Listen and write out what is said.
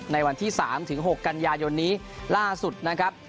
ในวันที่๓๖กันยายนนี้ล่าสุดนะครับ